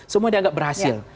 semua dianggap berhasil